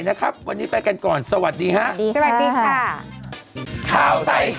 ไว้นะครับวันนี้ไปกันก่อนสวัสดีค่ะ